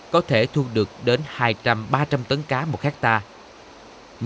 có thể thu được đến hai trăm linh ba trăm linh tấn cá một hectare